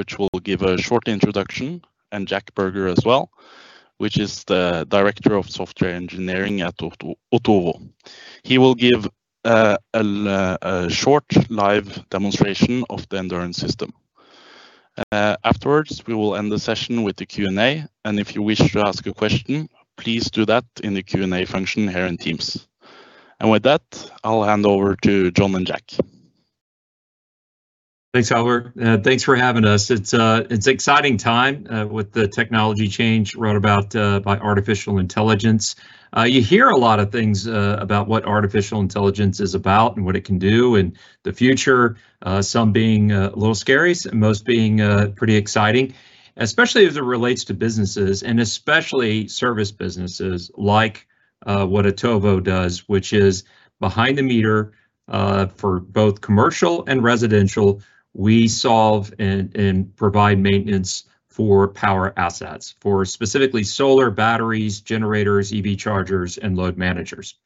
Which will give a short introduction. Jack Berger as well, who is the Director of Software Engineering at Otovo. He will give a short live demonstration of the Endurance system. Afterwards, we will end the session with the Q&A, and if you wish to ask a question, please do that in the Q&A function here in Teams. With that, I'll hand over to John and Jack. Thanks, Albert. Thanks for having us. It's an exciting time with the technology change brought about by artificial intelligence. You hear a lot of things about what artificial intelligence is about and what it can do in the future. Some being a little scary, most being pretty exciting, especially as it relates to businesses and especially service businesses like what Otovo does, which is behind the meter for both commercial and residential, we solve and provide maintenance for power assets, for specifically solar batteries, generators, EV chargers, and load managers.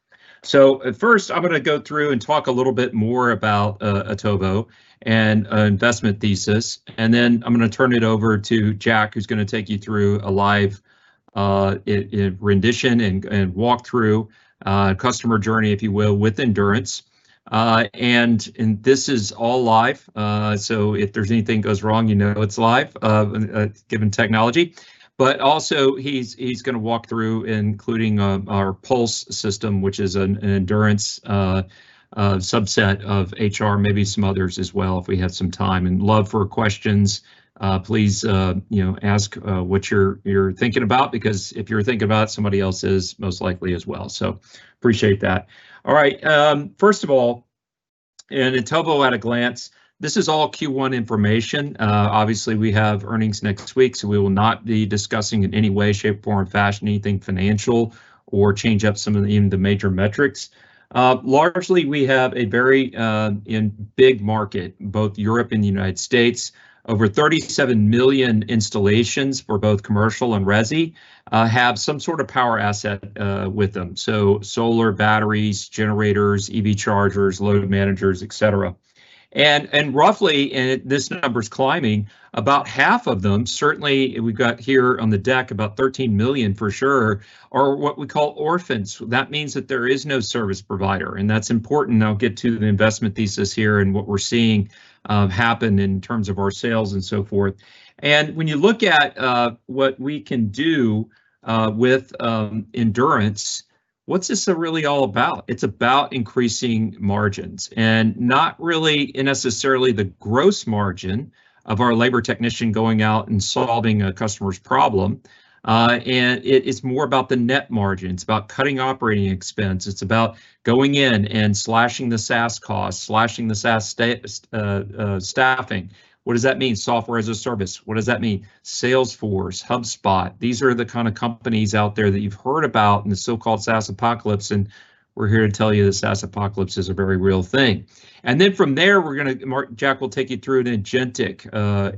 At first, I'm going to go through and talk a little bit more about Otovo and investment thesis, and then I'm going to turn it over to Jack, who's going to take you through a live rendition and walkthrough customer journey, if you will, with Endurance. This is all live, so if there's anything goes wrong, you know it's live, given technology. Also he's going to walk through including our Pulse system, which is an Endurance subset of HR, maybe some others as well, if we have some time, and love for questions. Please ask what you're thinking about, because if you're thinking about somebody else is most likely as well. Appreciate that. All right. First of all, Otovo at a glance, this is all Q1 information. Obviously, we have earnings next week, so we will not be discussing in any way, shape, form, or fashion, anything financial or change up some of even the major metrics. Largely, we have a very and big market, both Europe and the U.S. Over 37 million installations for both commercial and resi have some sort of power asset with them. Solar batteries, generators, EV chargers, load managers, et cetera. Roughly, and this number is climbing, about half of them, certainly we've got here on the deck about 13 million for sure, are what we call orphans. That means that there is no service provider, and that's important. I'll get to the investment thesis here and what we're seeing happen in terms of our sales and so forth. When you look at what we can do with Endurance, what's this really all about? It's about increasing margins and not really necessarily the gross margin of our labor technician going out and solving a customer's problem. It is more about the net margin. It's about cutting operating expense. It's about going in and slashing the SaaS cost, slashing the SaaS staffing. What does that mean? Software as a Service. What does that mean? Salesforce, HubSpot. These are the kind of companies out there that you've heard about in the so-called SaaS apocalypse, and we're here to tell you the SaaS apocalypse is a very real thing. From there, Jack will take you through an agentic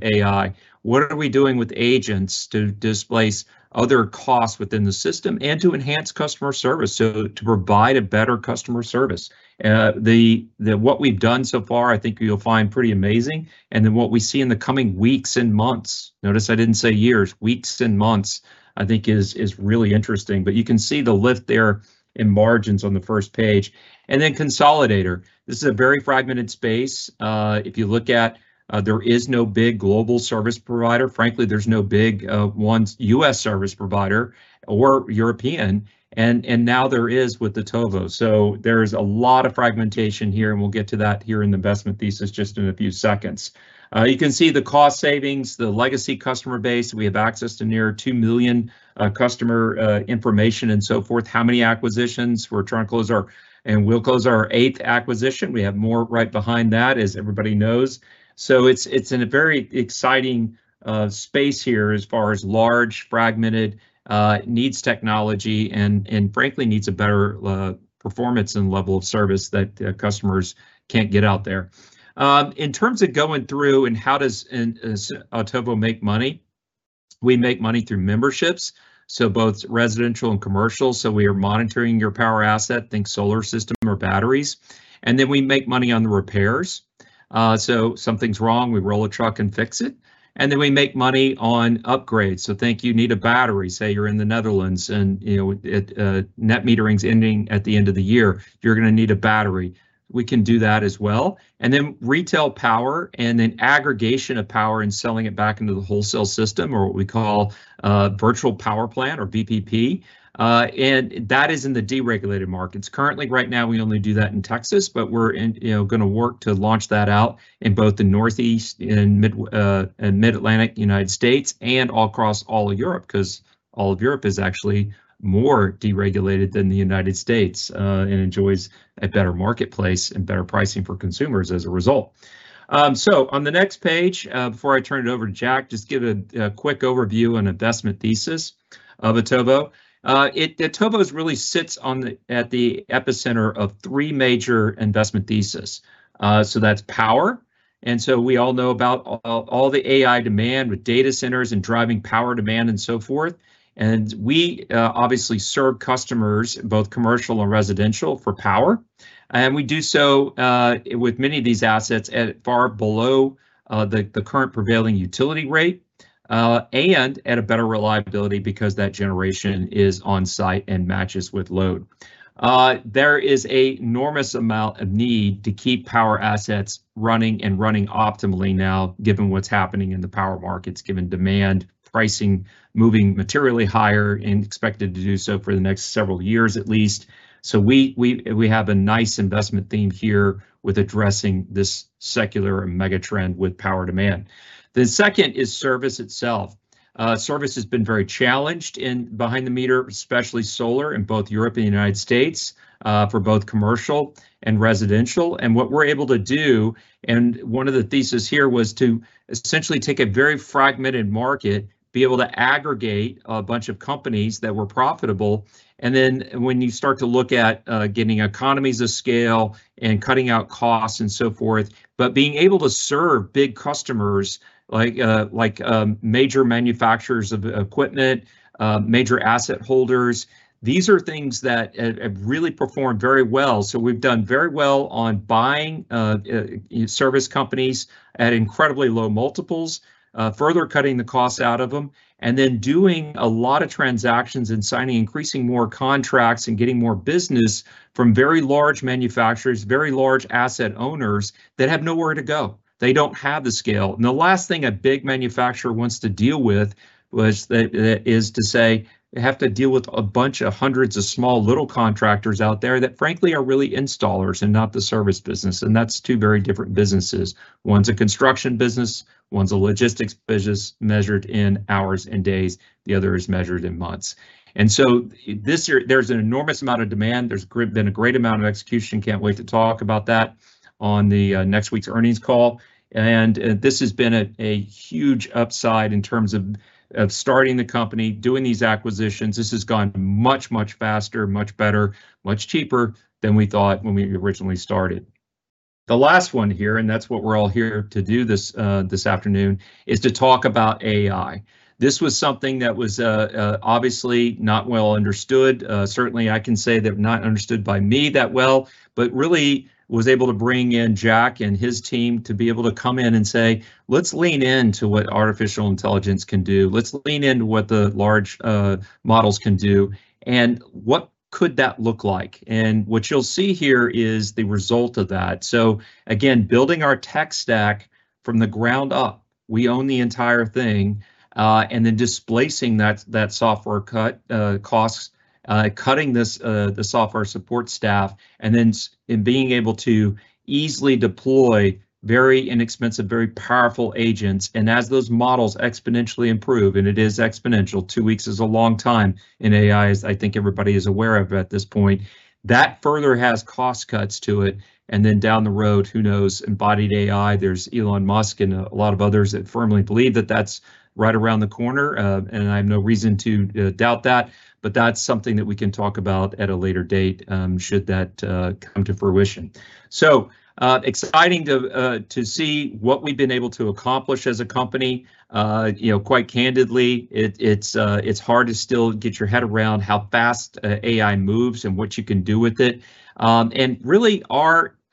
AI. What are we doing with agents to displace other costs within the system and to enhance customer service, so to provide a better customer service? What we've done so far, I think you'll find pretty amazing. What we see in the coming weeks and months, notice I didn't say years, weeks and months, I think is really interesting. You can see the lift there in margins on the first page. Consolidator. This is a very fragmented space. If you look at, there is no big global service provider. Frankly, there's no big one U.S. service provider or European. Now there is with Otovo. There is a lot of fragmentation here, and we'll get to that here in the investment thesis just in a few seconds. You can see the cost savings, the legacy customer base. We have access to near 2 million customer information and so forth. How many acquisitions? We'll close our eighth acquisition. We have more right behind that, as everybody knows. It's in a very exciting space here as far as large fragmented needs technology and frankly needs a better performance and level of service that customers can't get out there. In terms of going through and how does Otovo make money? We make money through memberships, so both residential and commercial. We are monitoring your power asset, think solar system or batteries. We make money on the repairs. Something's wrong, we roll a truck and fix it. We make money on upgrades. Think you need a battery. Say you're in the Netherlands and net metering's ending at the end of the year. You're going to need a battery. We can do that as well. Retail power and then aggregation of power and selling it back into the wholesale system or what we call virtual power plant or VPP, and that is in the deregulated markets. Currently, right now, we only do that in Texas, but we're going to work to launch that out in both the Northeast and Mid-Atlantic U.S. and all across all of Europe, because all of Europe is actually more deregulated than the U.S., and enjoys a better marketplace and better pricing for consumers as a result. On the next page, before I turn it over to Jack, just give a quick overview on investment thesis of Otovo. Otovo really sits at the epicenter of three major investment thesis. That's power. We all know about all the AI demand with data centers and driving power demand and so forth. We obviously serve customers, both commercial and residential, for power. We do so with many of these assets at far below the current prevailing utility rate. At a better reliability because that generation is on-site and matches with load. There is an enormous amount of need to keep power assets running and running optimally now, given what's happening in the power markets, given demand pricing moving materially higher and expected to do so for the next several years at least. We have a nice investment theme here with addressing this secular mega trend with power demand. The second is service itself. Service has been very challenged in behind the meter, especially solar in both Europe and the U.S., for both commercial and residential. What we're able to do, and one of the theses here was to essentially take a very fragmented market, be able to aggregate a bunch of companies that were profitable, then when you start to look at getting economies of scale and cutting out costs and so forth. Being able to serve big customers like major manufacturers of equipment, major asset holders, these are things that have really performed very well. We've done very well on buying service companies at incredibly low multiples, further cutting the cost out of them, then doing a lot of transactions and signing increasing more contracts and getting more business from very large manufacturers, very large asset owners that have nowhere to go. They don't have the scale. The last thing a big manufacturer wants to deal with, is to say they have to deal with a bunch of hundreds of small little contractors out there that frankly are really installers and not the service business. That's two very different businesses. One's a construction business, one's a logistics business measured in hours and days. The other is measured in months. This year there's an enormous amount of demand. There's been a great amount of execution. Can't wait to talk about that on the next week's earnings call. This has been a huge upside in terms of starting the company, doing these acquisitions. This has gone much, much faster, much better, much cheaper than we thought when we originally started. The last one here, that's what we're all here to do this afternoon, is to talk about AI. This was something that was obviously not well understood. Certainly, I can say that not understood by me that well, but really was able to bring in Jack and his team to be able to come in and say, "Let's lean into what artificial intelligence can do. Let's lean into what the large models can do, and what could that look like?" What you'll see here is the result of that. Again, building our tech stack from the ground up. We own the entire thing. Displacing that software cut costs, cutting the software support staff, then being able to easily deploy very inexpensive, very powerful agents. As those models exponentially improve, and it is exponential, two weeks is a long time in AI as I think everybody is aware of at this point. That further has cost cuts to it. Down the road, who knows? Embodied AI, there's Elon Musk and a lot of others that firmly believe that that's right around the corner. I have no reason to doubt that. That's something that we can talk about at a later date, should that come to fruition. Exciting to see what we've been able to accomplish as a company. Quite candidly, it's hard to still get your head around how fast AI moves and what you can do with it. Really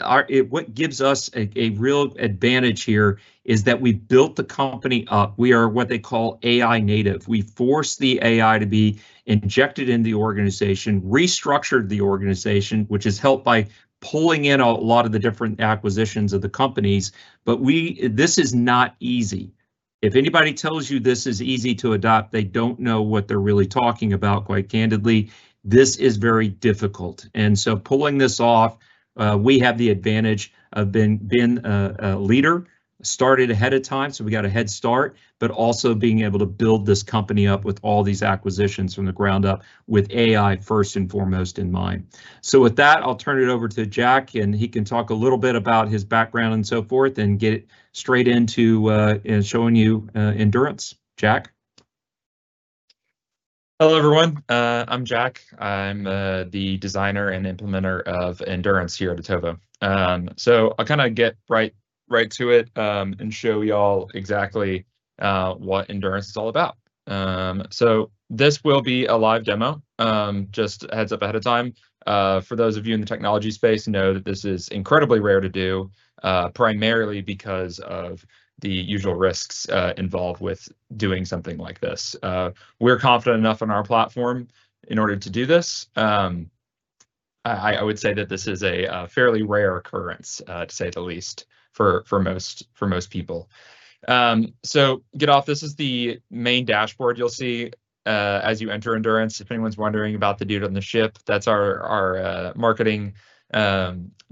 what gives us a real advantage here is that we built the company up. We are what they call AI native. We force the AI to be injected in the organization, restructured the organization, which is helped by pulling in a lot of the different acquisitions of the companies. This is not easy. If anybody tells you this is easy to adopt, they don't know what they're really talking about. Quite candidly, this is very difficult. Pulling this off, we have the advantage of being a leader, started ahead of time, so we got a head start, but also being able to build this company up with all these acquisitions from the ground up with AI first and foremost in mind. With that, I'll turn it over to Jack, and he can talk a little bit about his background and so forth, and get straight into showing you Endurance. Jack? Hello, everyone. I'm Jack. I'm the designer and implementer of Endurance here at Otovo. I'll get right to it, and show you all exactly what Endurance is all about. This will be a live demo, just a heads up ahead of time. For those of you in the technology space know that this is incredibly rare to do, primarily because of the usual risks involved with doing something like this. We're confident enough in our platform in order to do this. I would say that this is a fairly rare occurrence, to say the least, for most people. Good. This is the main dashboard you'll see as you enter Endurance. If anyone's wondering about the dude on the ship, that's our marketing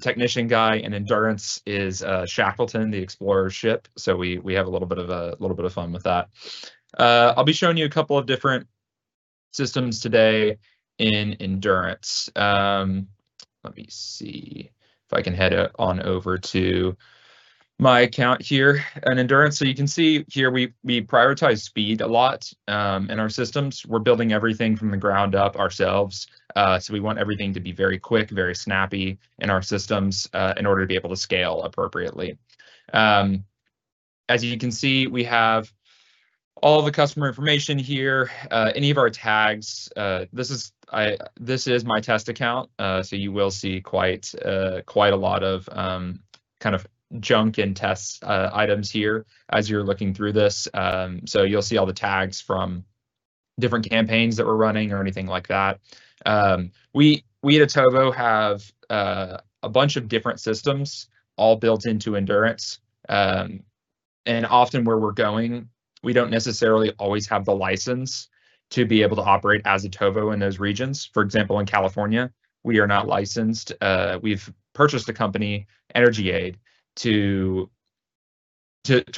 technician guy, and Endurance is Shackleton, the explorer ship. We have a little bit of fun with that. I'll be showing you a couple of different systems today in Endurance. Let me see if I can head on over to my account here in Endurance. You can see here we prioritize speed a lot in our systems. We're building everything from the ground up ourselves. We want everything to be very quick, very snappy in our systems, in order to be able to scale appropriately. As you can see, we have all the customer information here, any of our tags. This is my test account, so you will see quite a lot of Kind of junk and test items here as you're looking through this. You'll see all the tags from different campaigns that we're running or anything like that. We at Otovo have a bunch of different systems all built into Endurance. Often where we're going, we don't necessarily always have the license to be able to operate as Otovo in those regions. For example, in California, we are not licensed. We've purchased a company, EnergyAid, to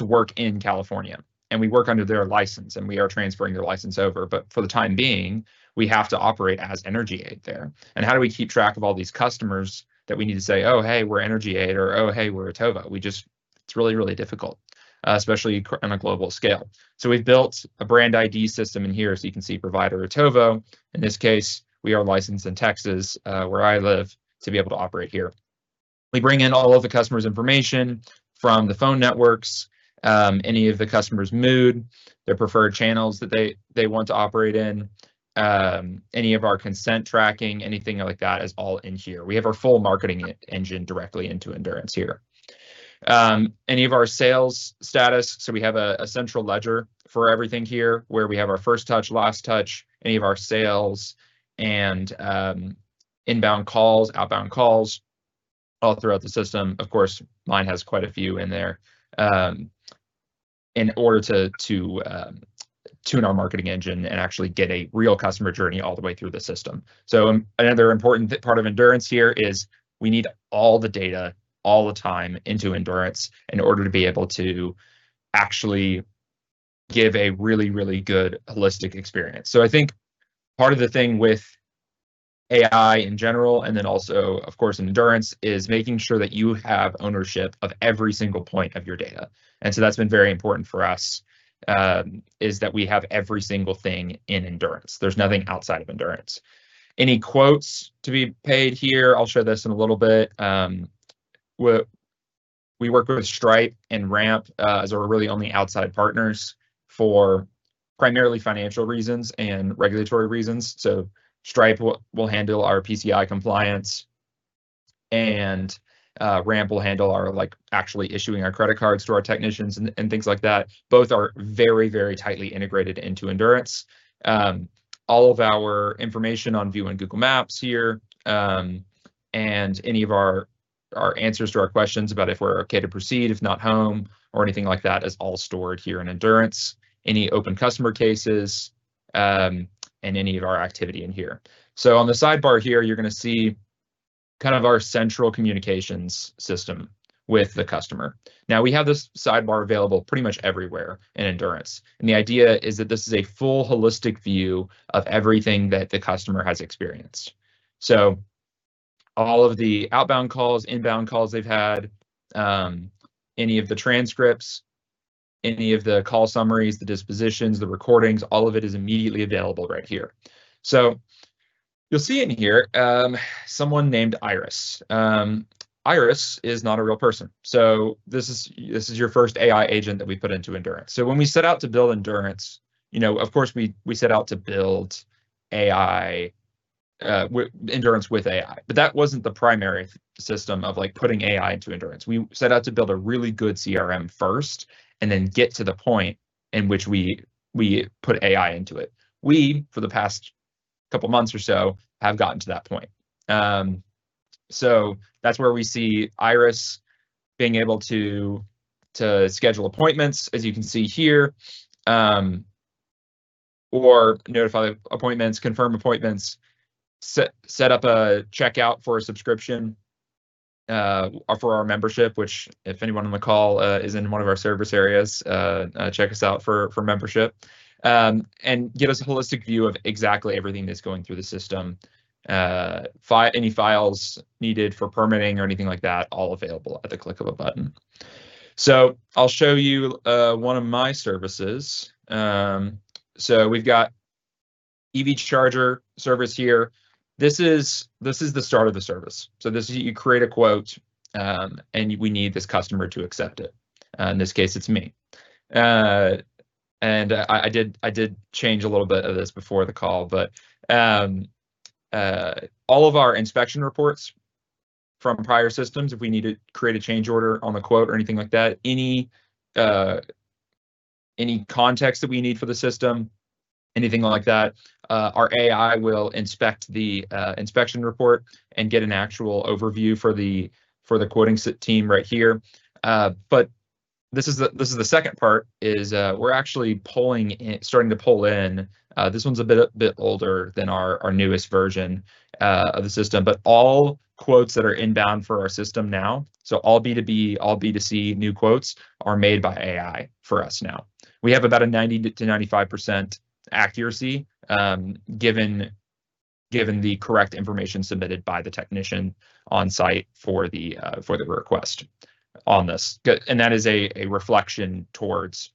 work in California, and we work under their license, and we are transferring their license over. For the time being, we have to operate as EnergyAid there. How do we keep track of all these customers that we need to say, "Oh, hey, we're EnergyAid," or, "Oh, hey, we're Otovo?" It's really, really difficult, especially on a global scale. We've built a brand ID system in here. You can see Provider Otovo. In this case, we are licensed in Texas, where I live, to be able to operate here. We bring in all of the customer's information from the phone networks, any of the customer's mood, their preferred channels that they want to operate in. Any of our consent tracking, anything like that is all in here. We have our full marketing engine directly into Endurance here. Any of our sales status, we have a central ledger for everything here, where we have our first touch, last touch, any of our sales, and inbound calls, outbound calls, all throughout the system. Of course, mine has quite a few in there, in order to tune our marketing engine and actually get a real customer journey all the way through the system. Another important part of Endurance here is we need all the data all the time into Endurance in order to be able to actually give a really, really good holistic experience. I think part of the thing with AI in general, and then also, of course, in Endurance, is making sure that you have ownership of every single point of your data. That's been very important for us, is that we have every single thing in Endurance. There's nothing outside of Endurance. Any quotes to be paid here, I'll show this in a little bit. We work with Stripe and Ramp as our really only outside partners for primarily financial reasons and regulatory reasons. Stripe will handle our PCI compliance, and Ramp will handle our actually issuing our credit cards to our technicians and things like that. Both are very, very tightly integrated into Endurance. All of our information on view in Google Maps here, and any of our answers to our questions about if we're okay to proceed, if not home, or anything like that is all stored here in Endurance. Any open customer cases, and any of our activity in here. On the sidebar here, you're going to see our central communications system with the customer. Now, we have this sidebar available pretty much everywhere in Endurance, and the idea is that this is a full holistic view of everything that the customer has experienced. All of the outbound calls, inbound calls they've had, any of the transcripts, any of the call summaries, the dispositions, the recordings, all of it is immediately available right here. You'll see in here, someone named Iris. Iris is not a real person. This is your first AI agent that we put into Endurance. When we set out to build Endurance, of course, we set out to build Endurance with AI. That wasn't the primary system of putting AI into Endurance. We set out to build a really good CRM first and then get to the point in which we put AI into it. We, for the past couple months or so, have gotten to that point. That's where we see Iris being able to schedule appointments, as you can see here, or notify appointments, confirm appointments, set up a checkout for a subscription, for our membership, which if anyone on the call is in one of our service areas, check us out for membership. Give us a holistic view of exactly everything that's going through the system. Any files needed for permitting or anything like that, all available at the click of a button. I'll show you one of my services. We've got EV charger service here. This is the start of the service. This is, you create a quote, we need this customer to accept it. In this case, it's me. I did change a little bit of this before the call, all of our inspection reports from prior systems, if we need to create a change order on the quote or anything like that, any context that we need for the system, anything like that, our AI will inspect the inspection report and get an actual overview for the quoting team right here. This is the second part, is we're actually starting to pull in This one's a bit older than our newest version of the system. All quotes that are inbound for our system now, all B2B, all B2C new quotes are made by AI for us now. We have about a 90%-95% accuracy, given the correct information submitted by the technician on site for the request on this. That is a reflection towards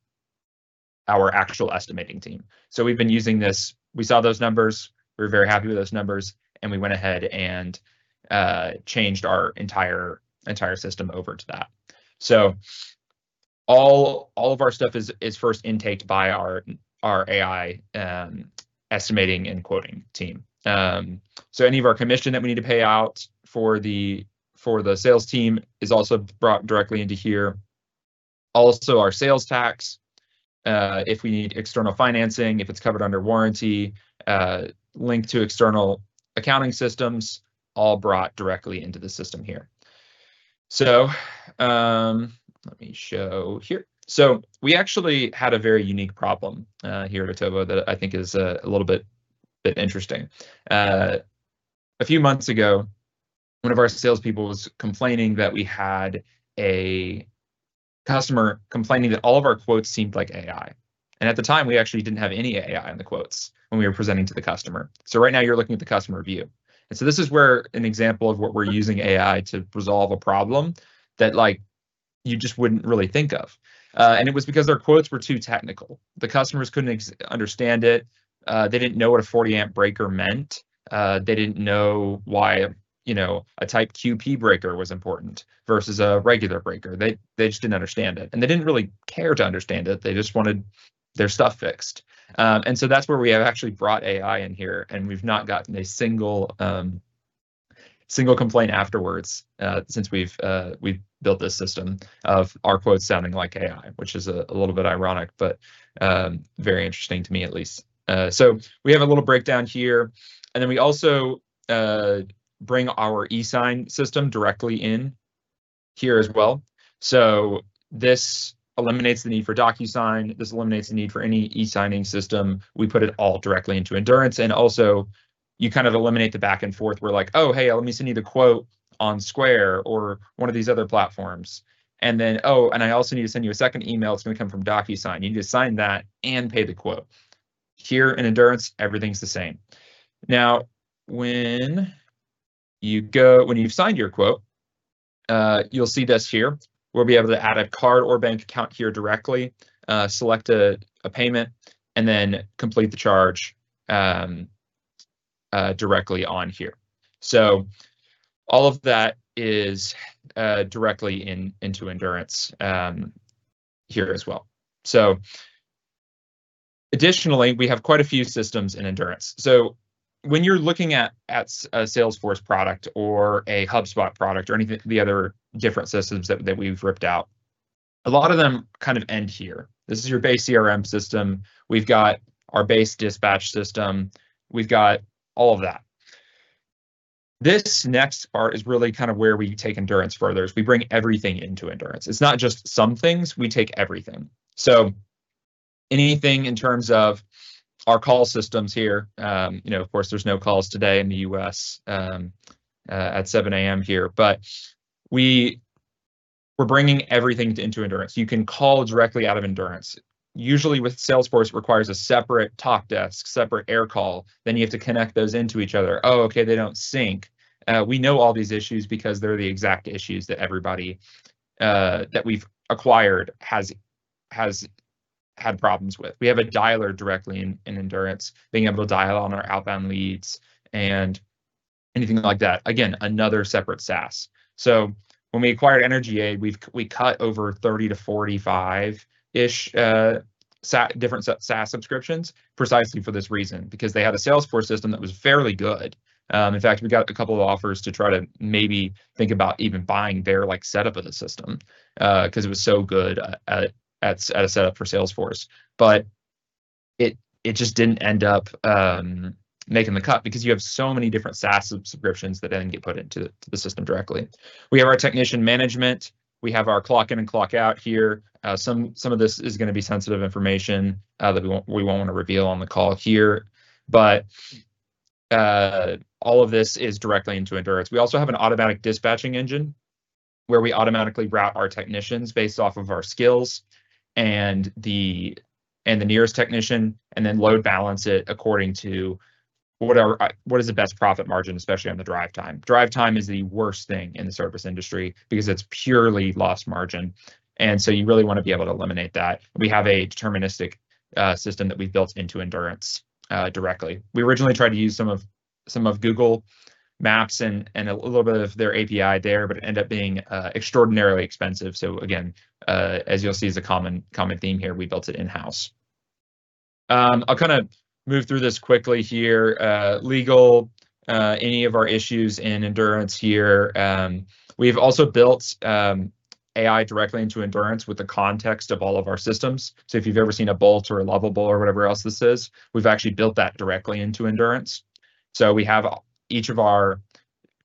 our actual estimating team. We've been using this. We saw those numbers, we were very happy with those numbers, we went ahead and changed our entire system over to that. All of our stuff is first intaked by our AI estimating and quoting team. Any of our commission that we need to pay out for the sales team is also brought directly into here. Also, our sales tax, if we need external financing, if it's covered under warranty, linked to external accounting systems, all brought directly into the system here. Let me show here. We actually had a very unique problem here at Otovo that I think is a little bit interesting. A few months ago, one of our salespeople was complaining that we had a customer complaining that all of our quotes seemed like AI. At the time, we actually didn't have any AI in the quotes when we were presenting to the customer. Right now, you're looking at the customer view. This is where an example of what we're using AI to resolve a problem that you just wouldn't really think of. It was because their quotes were too technical. The customers couldn't understand it. They didn't know what a 40-amp breaker meant. They didn't know why a type QP breaker was important versus a regular breaker. They just didn't understand it, and they didn't really care to understand it. They just wanted their stuff fixed. That's where we have actually brought AI in here, and we've not gotten a single complaint afterwards, since we've built this system of our quotes sounding like AI, which is a little bit ironic, but very interesting to me at least. We have a little breakdown here, then we also bring our eSign system directly in here as well. This eliminates the need for DocuSign. This eliminates the need for any eSigning system. We put it all directly into Endurance, also you eliminate the back and forth where like, "Oh, hey, let me send you the quote on Square or one of these other platforms." Then, "Oh, and I also need to send you a second email. It's going to come from DocuSign. You need to sign that and pay the quote." Here in Endurance, everything's the same. Now, when you've signed your quote, you'll see this here, where we'll be able to add a card or bank account here directly, select a payment, then complete the charge directly on here. All of that is directly into Endurance here as well. Additionally, we have quite a few systems in Endurance. When you're looking at a Salesforce product or a HubSpot product or any of the other different systems that we've ripped out, a lot of them end here. This is your base CRM system. We've got our base dispatch system. We've got all of that. This next part is really where we take Endurance further, is we bring everything into Endurance. It's not just some things, we take everything. Anything in terms of our call systems here, of course, there's no calls today in the U.S. at 7:00 A.M. here, but we're bringing everything into Endurance. You can call directly out of Endurance. Usually with Salesforce, it requires a separate talk desk, separate air call, then you have to connect those into each other. Oh, okay, they don't sync. We know all these issues because they're the exact issues that everybody that we've acquired has had problems with. We have a dialer directly in Endurance, being able to dial on our outbound leads and anything like that. Again, another separate SaaS. When we acquired EnergyAid, we cut over 30-45-ish different SaaS subscriptions precisely for this reason, because they had a Salesforce system that was fairly good. In fact, we got a couple of offers to try to maybe think about even buying their setup of the system, because it was so good at a setup for Salesforce. It just didn't end up making the cut because you have so many different SaaS subscriptions that then get put into the system directly. We have our technician management. We have our clock in and clock out here. Some of this is going to be sensitive information that we won't want to reveal on the call here. All of this is directly into Endurance. We also have an automatic dispatching engine, where we automatically route our technicians based off of our skills and the nearest technician, then load balance it according to what is the best profit margin, especially on the drive time. Drive time is the worst thing in the service industry because it's purely lost margin. You really want to be able to eliminate that. We have a deterministic system that we've built into Endurance directly. We originally tried to use some of Google Maps and a little bit of their API there, but it ended up being extraordinarily expensive. Again, as you'll see is a common theme here, we built it in-house. I'll move through this quickly here. Legal, any of our issues in Endurance here. We've also built AI directly into Endurance with the context of all of our systems. If you've ever seen a Bolt or a Lovable or whatever else this is, we've actually built that directly into Endurance. We have each of our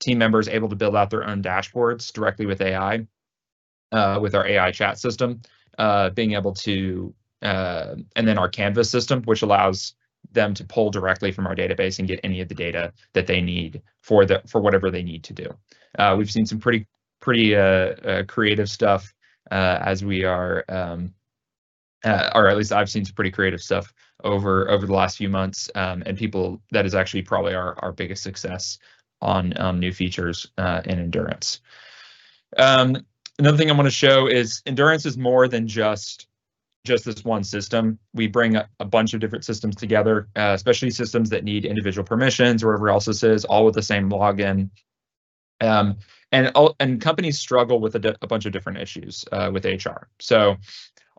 team members able to build out their own dashboards directly with AI, with our AI chat system. Our Canvas system, which allows them to pull directly from our database and get any of the data that they need for whatever they need to do. We've seen some pretty creative stuff, or at least I've seen some pretty creative stuff over the last few months. People, that is actually probably our biggest success on new features in Endurance. Another thing I want to show is Endurance is more than just this one system. We bring a bunch of different systems together, especially systems that need individual permissions or whatever else this is, all with the same login. Companies struggle with a bunch of different issues with HR.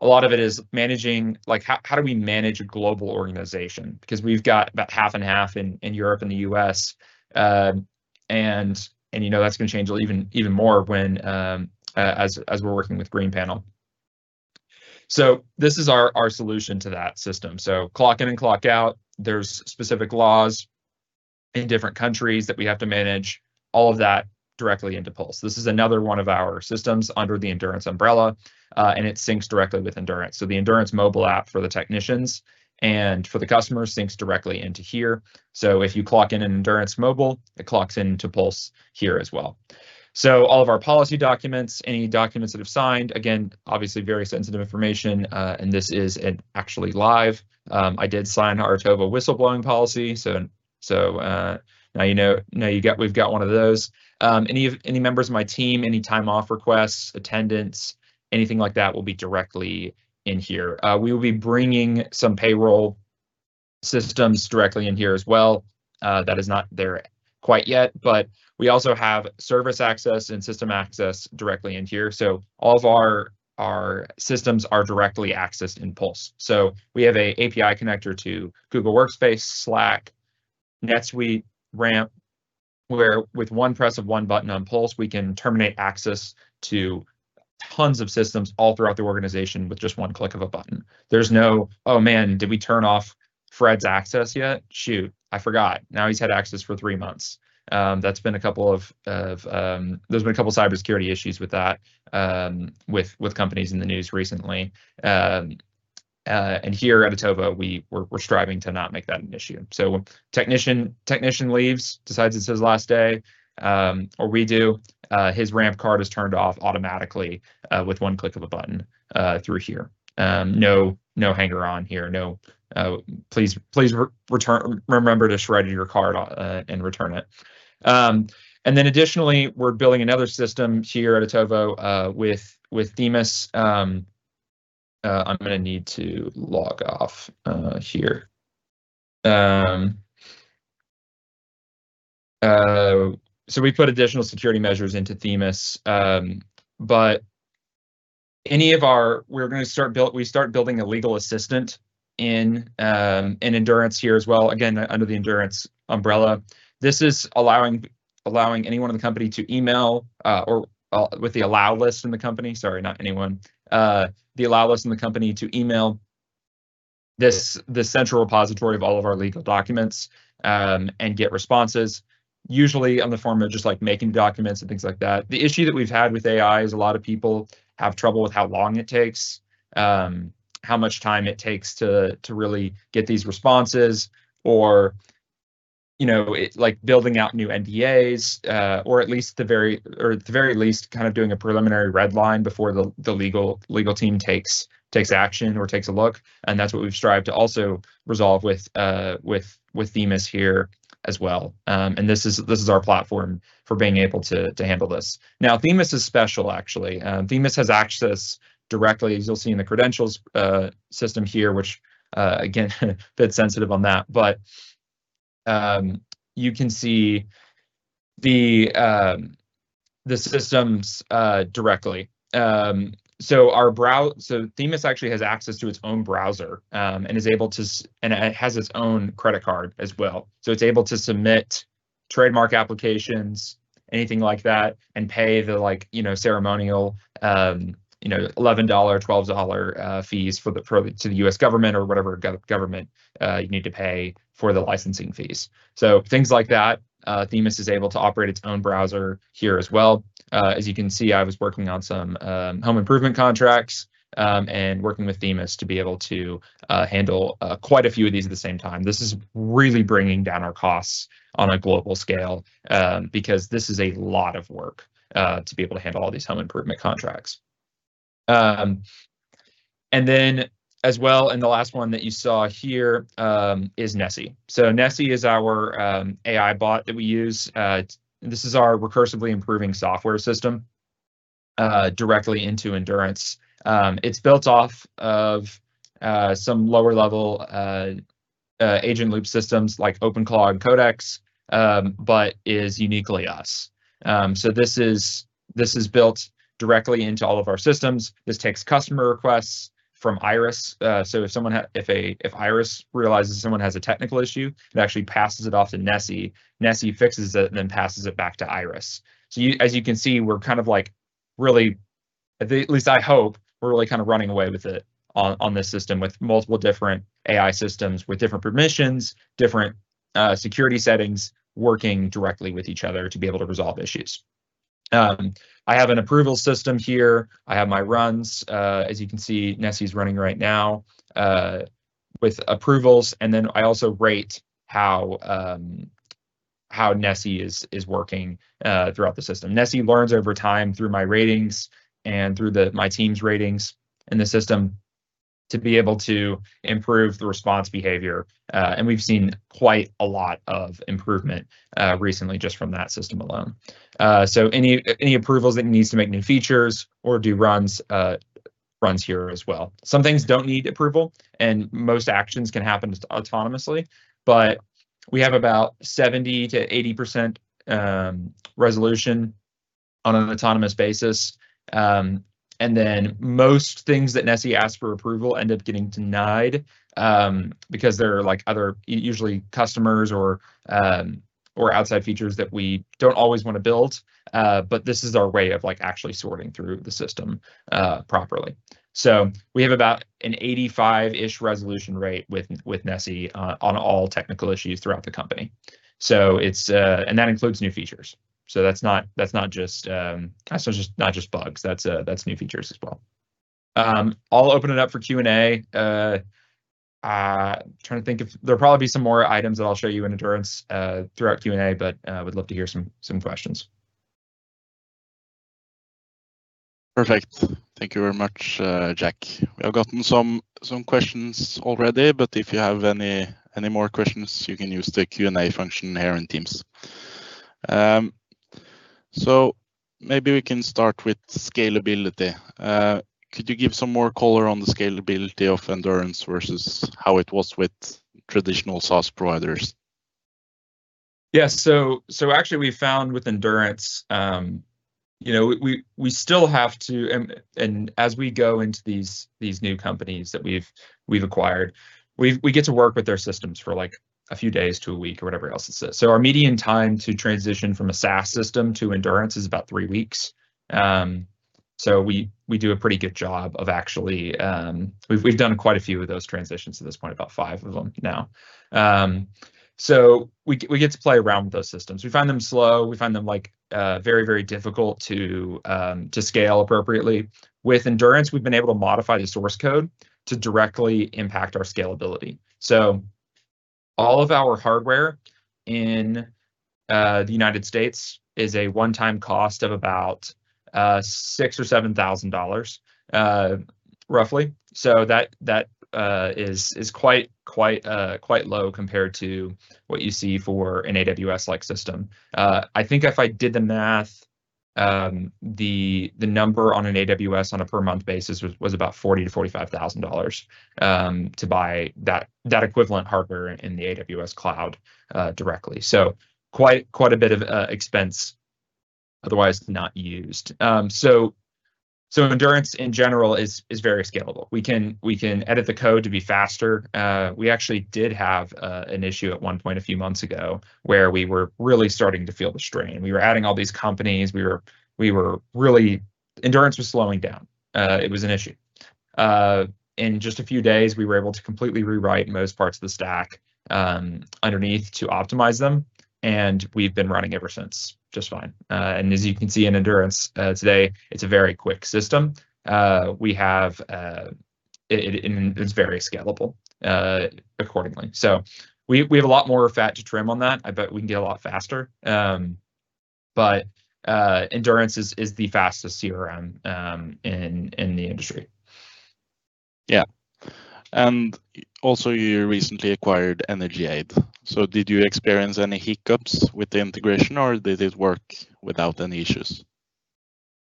A lot of it is managing, like how do we manage a global organization? Because we've got about half and half in Europe and the U.S. That's going to change even more as we're working with Green Panel. This is our solution to that system. Clock in and clock out. There's specific laws in different countries that we have to manage, all of that directly into Pulse. This is another one of our systems under the Endurance umbrella, and it syncs directly with Endurance. The Endurance mobile app for the technicians and for the customers syncs directly into here. If you clock in in Otovo Endurance, it clocks into Pulse here as well. All of our policy documents, any documents that have signed, again, obviously very sensitive information. This is actually live. I did sign our Otovo whistleblowing policy. Now we've got one of those. Any members of my team, any time-off requests, attendance, anything like that will be directly in here. We will be bringing some payroll systems directly in here as well. That is not there quite yet. We also have service access and system access directly in here. All of our systems are directly accessed in Pulse. We have a API connector to Google Workspace, Slack, NetSuite, Ramp, where with one press of one button on Pulse, we can terminate access to tons of systems all throughout the organization with just one click of a button. There's no, "Oh, man, did we turn off Fred's access yet? Shoot, I forgot. Now he's had access for three months." There's been a couple of cybersecurity issues with that with companies in the news recently. Here at Otovo, we're striving to not make that an issue. Technician leaves, decides it's his last day, or we do, his Ramp card is turned off automatically with one click of a button through here. No hanger on here. No, "Please remember to shred your card and return it." Additionally, we're building another system here at Otovo with Themis. I'm going to need to log off here. We put additional security measures into Themis. We start building a legal assistant in Endurance here as well. Again, under the Endurance umbrella. This is allowing anyone in the company to email, or with the allow list in the company, sorry, not anyone. The allow list in the company to email the central repository of all of our legal documents, and get responses, usually in the form of just making documents and things like that. The issue that we've had with AI is a lot of people have trouble with how long it takes, how much time it takes to really get these responses or building out new NDAs. At the very least, doing a preliminary red line before the legal team takes action or takes a look. That's what we've strived to also resolve with Themis here as well. This is our platform for being able to handle this. Themis is special, actually. Themis has access directly, as you'll see in the credentials system here, which again, a bit sensitive on that, but you can see the systems directly. Themis actually has access to its own browser, and it has its own credit card as well. It's able to submit trademark applications, anything like that, and pay the ceremonial $11, $12 fees to the U.S. government or whatever government you need to pay for the licensing fees. Things like that. Themis is able to operate its own browser here as well. As you can see, I was working on some home improvement contracts, and working with Themis to be able to handle quite a few of these at the same time. This is really bringing down our costs on a global scale, because this is a lot of work to be able to handle all these home improvement contracts. As well, the last one that you saw here is Nessie. Nessie is our AI bot that we use. This is our recursively improving software system directly into Endurance. It's built off of some lower-level agent loop systems like OpenClaw and Codex, but is uniquely us. This is built directly into all of our systems. This takes customer requests from Iris. If Iris realizes someone has a technical issue, it actually passes it off to Nessie. Nessie fixes it, and passes it back to Iris. As you can see, we're, at least I hope, we're really running away with it on this system with multiple different AI systems with different permissions, different security settings, working directly with each other to be able to resolve issues. I have an approval system here. I have my runs. As you can see, Nessie's running right now with approvals, and I also rate how Nessie is working throughout the system. Nessie learns over time through my ratings and through my team's ratings in the system to be able to improve the response behavior. We've seen quite a lot of improvement recently just from that system alone. Any approvals that it needs to make new features or do runs here as well. Some things don't need approval, and most actions can happen just autonomously, but we have about 70%-80% resolution on an autonomous basis. Most things that Nessie asks for approval end up getting denied, because there are other, usually customers or outside features that we don't always want to build. This is our way of actually sorting through the system properly. We have about an 85-ish resolution rate with Nessie on all technical issues throughout the company. That includes new features. That's not just bugs, that's new features as well. I'll open it up for Q&A. Trying to think if, there'll probably be some more items that I'll show you in Endurance throughout Q&A, but would love to hear some questions. Perfect. Thank you very much, Jack. We have gotten some questions already, but if you have any more questions, you can use the Q&A function here in Teams. Maybe we can start with scalability. Could you give some more color on the scalability of Endurance versus how it was with traditional SaaS providers? Yeah, actually we've found with Endurance, we still have to, and as we go into these new companies that we've acquired, we get to work with their systems for a few days to a week or whatever else it is. Our median time to transition from a SaaS system to Endurance is about three weeks. We do a pretty good job of actually, we've done quite a few of those transitions at this point, about five of them now. We get to play around with those systems. We find them slow, we find them very, very difficult to scale appropriately. With Endurance, we've been able to modify the source code to directly impact our scalability. All of our hardware in the United States is a one-time cost of about $6,000-$7,000, roughly. That is quite low compared to what you see for an AWS-like system. I think if I did the math, the number on an AWS on a per month basis was about NOK 40,000-NOK 45,000 to buy that equivalent hardware in the AWS cloud directly. Quite a bit of expense otherwise not used. Endurance in general is very scalable. We can edit the code to be faster. We actually did have an issue at one point a few months ago where we were really starting to feel the strain. We were adding all these companies. Endurance was slowing down. It was an issue. In just a few days, we were able to completely rewrite most parts of the stack underneath to optimize them, and we've been running ever since just fine. As you can see in Endurance today, it's a very quick system. It's very scalable accordingly. We have a lot more fat to trim on that. I bet we can get a lot faster. Endurance is the fastest CRM in the industry. Yeah. Also, you recently acquired EnergyAid. Did you experience any hiccups with the integration, or did it work without any issues?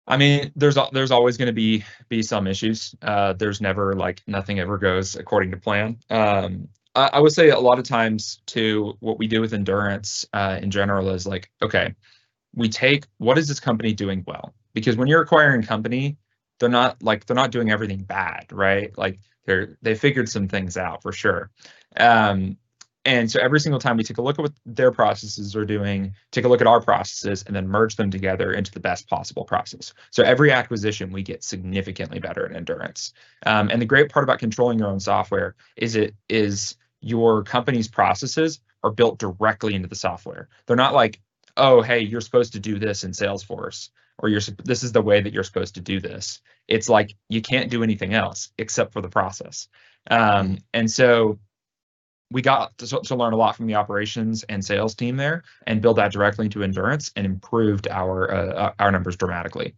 There's always going to be some issues. Nothing ever goes according to plan. I would say a lot of times too, what we do with Endurance in general is, okay, what is this company doing well? Because when you're acquiring a company, they're not doing everything bad, right? They figured some things out for sure. Every single time we take a look at what their processes are doing, take a look at our processes, and then merge them together into the best possible process. Every acquisition, we get significantly better in Endurance. The great part about controlling your own software is your company's processes are built directly into the software. They're not like, "Oh, hey, you're supposed to do this in Salesforce," or "This is the way that you're supposed to do this." It's like, you can't do anything else except for the process. We got to learn a lot from the operations and sales team there and build that directly into Endurance and improved our numbers dramatically.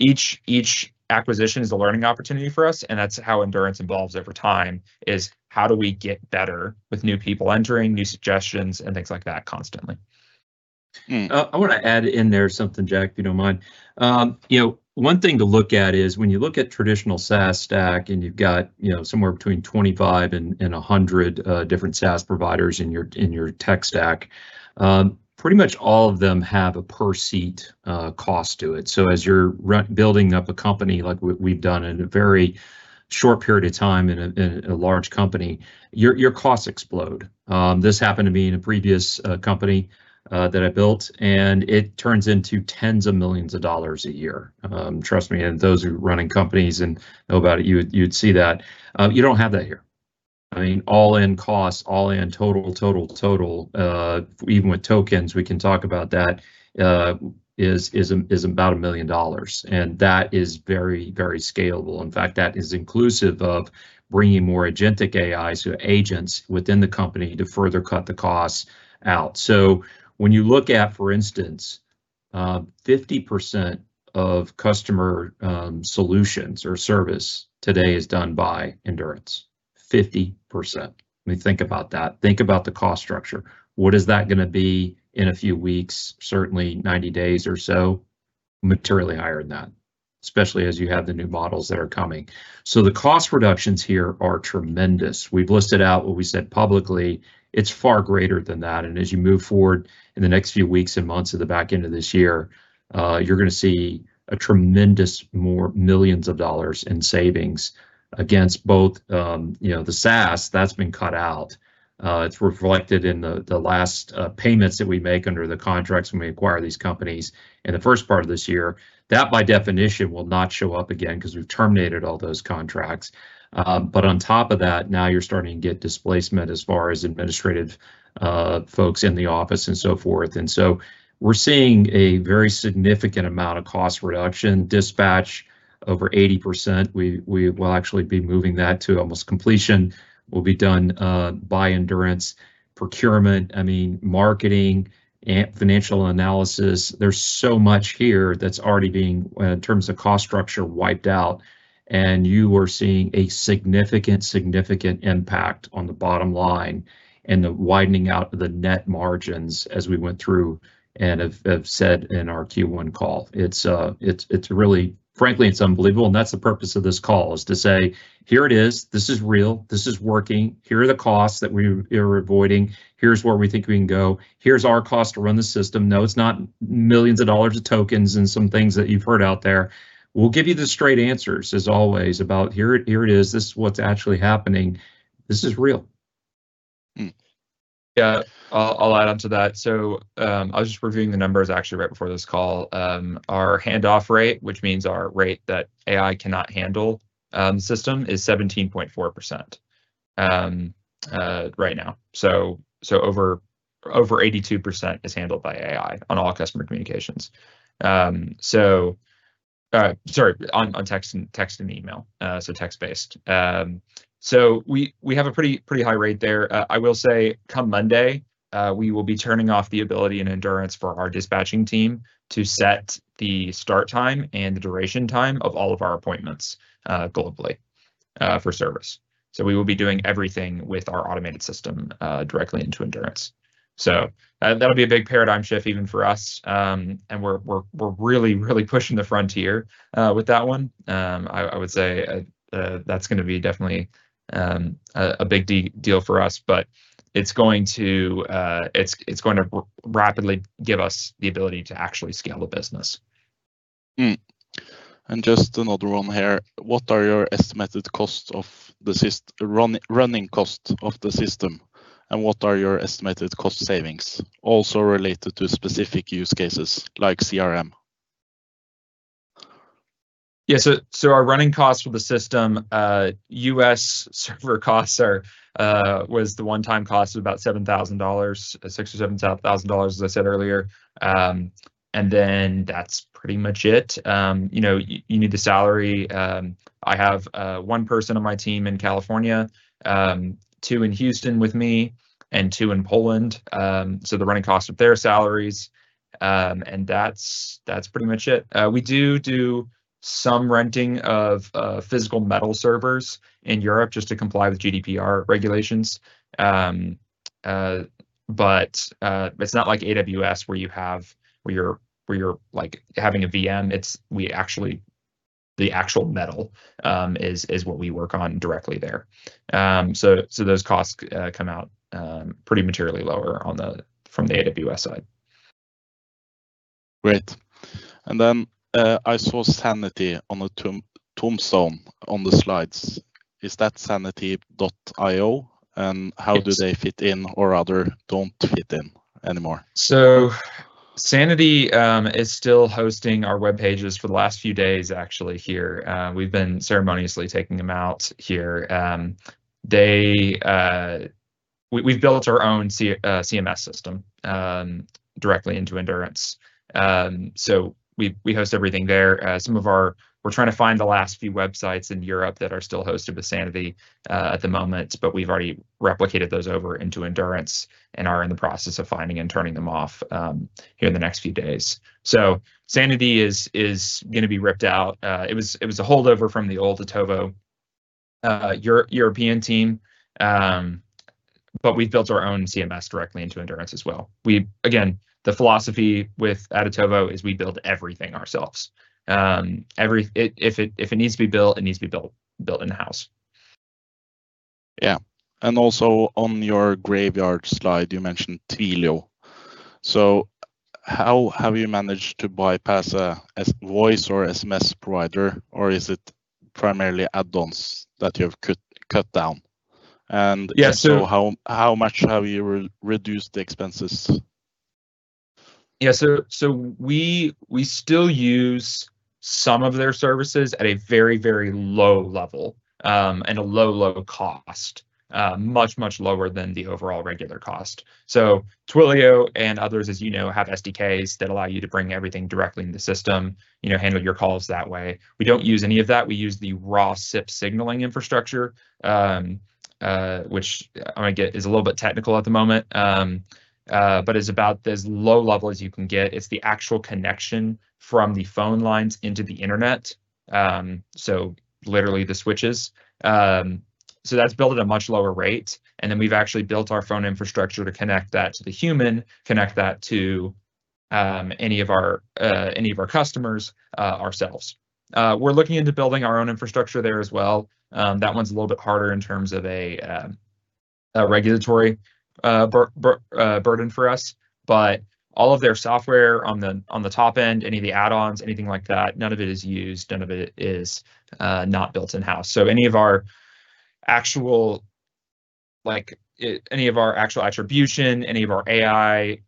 Each acquisition is a learning opportunity for us, and that's how Endurance evolves over time, is how do we get better with new people entering, new suggestions, and things like that constantly. I want to add in there something, Jack, if you don't mind. One thing to look at is when you look at traditional SaaS stack, and you've got somewhere between 25 and 100 different SaaS providers in your tech stack, pretty much all of them have a per-seat cost to it. As you're building up a company like we've done in a very short period of time in a large company, your costs explode. This happened to me in a previous company that I built, and it turns into tens of millions of NOK a year. Trust me, and those who are running companies and know about it, you'd see that. You don't have that here. All-in costs, all-in total, even with tokens, we can talk about that, is about NOK 1 million. That is very scalable. In fact, that is inclusive of bringing more agentic AI, so agents within the company to further cut the costs out. When you look at, for instance, 50% of customer solutions or service today is done by Endurance 50%. I mean, think about that. Think about the cost structure. What is that going to be in a few weeks? Certainly 90 days or so. Materially higher than that, especially as you have the new models that are coming. The cost reductions here are tremendous. We've listed out what we said publicly, it's far greater than that. As you move forward in the next few weeks and months of the back end of this year, you're going to see a tremendous more millions of NOK in savings against both the SaaS that's been cut out. It's reflected in the last payments that we make under the contracts when we acquire these companies in the first part of this year. That, by definition, will not show up again because we've terminated all those contracts. On top of that, now you're starting to get displacement as far as administrative folks in the office and so forth. We're seeing a very significant amount of cost reduction, dispatch over 80%. We will actually be moving that to almost completion, will be done by Endurance procurement, I mean, marketing and financial analysis. There's so much here that's already being, in terms of cost structure, wiped out, and you are seeing a significant impact on the bottom line and the widening out of the net margins as we went through and have said in our Q1 call. Frankly, it's unbelievable. That's the purpose of this call is to say, "Here it is, this is real, this is working. Here are the costs that we are avoiding. Here's where we think we can go. Here's our cost to run the system." It's not millions of NOK of tokens and some things that you've heard out there. We'll give you the straight answers as always about here it is. This is what's actually happening. This is real. Yeah. I'll add onto that. I was just reviewing the numbers actually right before this call. Our handoff rate, which means our rate that AI cannot handle the system, is 17.4% right now. Over 82% is handled by AI on all customer communications. Sorry, on text and email, text-based. We have a pretty high rate there. I will say come Monday, we will be turning off the ability in Endurance for our dispatching team to set the start time and the duration time of all of our appointments globally for service. We will be doing everything with our automated system directly into Endurance. That'll be a big paradigm shift even for us, we're really, really pushing the frontier with that one. I would say that's going to be definitely a big deal for us, it's going to rapidly give us the ability to actually scale the business. Just another one here. What are your estimated running cost of the system, and what are your estimated cost savings also related to specific use cases like CRM? Our running cost for the system, U.S. server costs was the one-time cost of about $7,000, $6,000- $7,000 as I said earlier, and then that's pretty much it. You need the salary. I have one person on my team in California, two in Houston with me, and two in Poland. The running cost of their salaries, and that's pretty much it. We do do some renting of physical metal servers in Europe just to comply with GDPR regulations. It's not like AWS where you're having a VM. The actual metal is what we work on directly there. Those costs come out pretty materially lower from the AWS side. Great. Then I saw Sanity on the tombstone on the slides. Is that Sanity.io? Yes. How do they fit in or rather don't fit in anymore? Sanity is still hosting our webpages for the last few days actually here. We've been ceremoniously taking them out here. We've built our own CMS system directly into Endurance. We host everything there. We're trying to find the last few websites in Europe that are still hosted with Sanity at the moment, we've already replicated those over into Endurance and are in the process of finding and turning them off here in the next few days. Sanity is going to be ripped out. It was a holdover from the old Otovo European team. We've built our own CMS directly into Endurance as well. Again, the philosophy at Otovo is we build everything ourselves. If it needs to be built, it needs to be built in-house. Also on your graveyard slide, you mentioned Twilio. How have you managed to bypass a voice or SMS provider, or is it primarily add-ons that you have cut down? Yeah. How much have you reduced the expenses? Yeah. We still use some of their services at a very, very low level, and a low, low cost. Much, much lower than the overall regular cost. Twilio and others, as you know, have SDKs that allow you to bring everything directly into the system, handle your calls that way. We don't use any of that. We use the raw SIP signaling infrastructure, which I get is a little bit technical at the moment, but is about as low level as you can get. It's the actual connection from the phone lines into the internet, so literally the switches. That's built at a much lower rate, and then we've actually built our phone infrastructure to connect that to the human, connect that to any of our customers, ourselves. We're looking into building our own infrastructure there as well. That one's a little bit harder in terms of a regulatory burden for us. All of their software on the top end, any of the add-ons, anything like that, none of it is used. None of it is not built in-house. Any of our actual attribution, any of our AI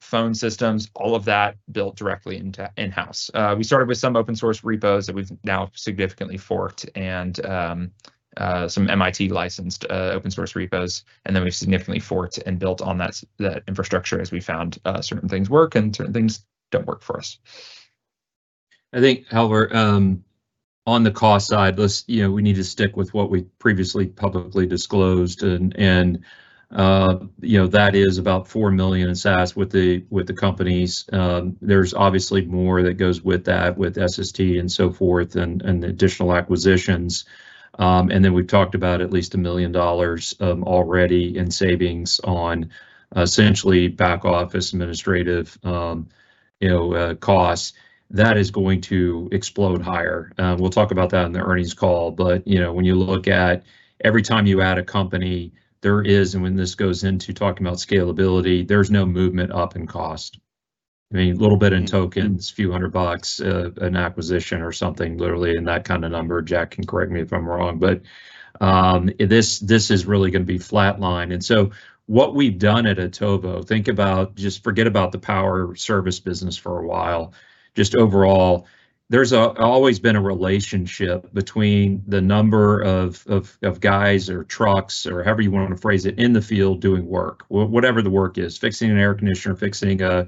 phone systems, all of that built directly in-house. We started with some open source repos that we've now significantly forked, and some MIT licensed open source repos, and then we've significantly forked and built on that infrastructure as we found certain things work and certain things don't work for us. I think, however, on the cost side, we need to stick with what we previously publicly disclosed, and that is about 4 million in SaaS with the companies. There's obviously more that goes with that, with SST and so forth and the additional acquisitions. We've talked about at least NOK 1 million already in savings on essentially back office administrative costs. That is going to explode higher. We'll talk about that in the earnings call. When you look at every time you add a company, there is, and when this goes into talking about scalability, there's no movement up in cost. I mean, a little bit in tokens, few hundred NOK an acquisition or something literally in that kind of number. Jack can correct me if I'm wrong. This is really going to be flat line. What we've done at Otovo, just forget about the power service business for a while. Just overall, there's always been a relationship between the number of guys or trucks or however you want to phrase it, in the field doing work, whatever the work is, fixing an air conditioner, fixing a